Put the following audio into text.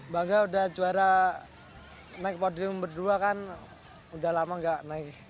bangga udah juara naik podium berdua kan udah lama nggak naik